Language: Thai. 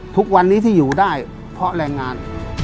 ทุกวันนี้ที่อยู่ได้เพราะแรงงาน